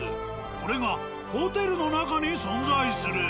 これがホテルの中に存在する。